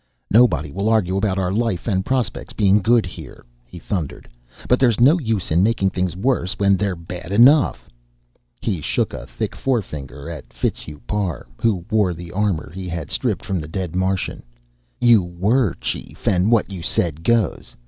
"Nobody will argue about our life and prospects being good here," he thundered, "but there's no use in making things worse when they're bad enough." He shook a thick forefinger at Fitzhugh Parr, who wore the armor he had stripped from the dead Martian. "You were chief, and what you said goes.